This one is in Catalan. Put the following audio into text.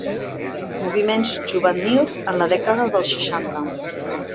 Moviments juvenils en la dècada dels seixanta.